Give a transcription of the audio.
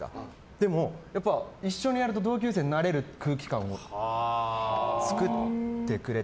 でも、一緒にやると同級生になれる空気感を作ってくれて。